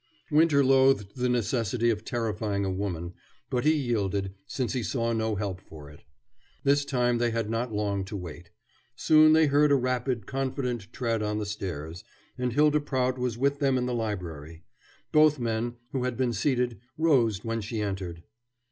Winter loathed the necessity of terrifying a woman, but he yielded, since he saw no help for it. This time they had not long to wait. Soon they heard a rapid, confident tread on the stairs, and Hylda Prout was with them in the library. Both men, who had been seated, rose when she entered.